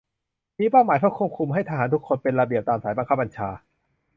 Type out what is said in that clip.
มีเป้าหมายเพื่อควบคุมให้ทหารทุกคนเป็นระเบียบตามสายบังคับบัญชา